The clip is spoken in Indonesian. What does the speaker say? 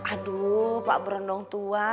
aduh pak brondong tua